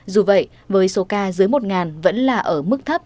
dù vậy với số ca dưới một vẫn là ở mức thấp